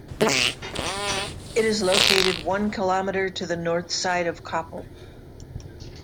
It is located one kilometer to the north side of koppal.